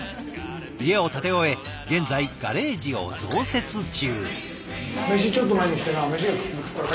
家を建て終え現在ガレージを増設中。